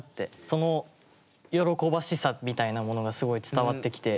その喜ばしさみたいなものがすごい伝わってきて。